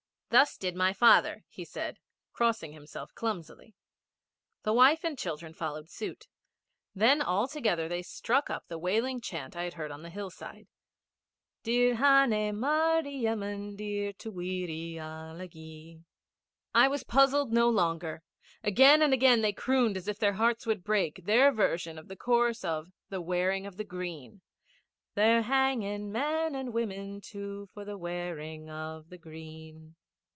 'Thus did my father,' he said, crossing himself clumsily. The wife and children followed suit. Then all together they struck up the wailing chant that I heard on the hillside Dir hané mard i yemen dir To weeree ala gee. I was puzzled no longer. Again and again they crooned as if their hearts would break, their version of the chorus of the Wearing of the Green They're hanging men and women too, For the wearing of the green.